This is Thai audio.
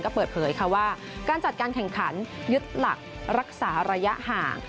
ก็เปิดเผยค่ะว่าการจัดการแข่งขันยึดหลักรักษาระยะห่าง